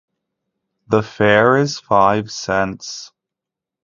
The fare is five cents.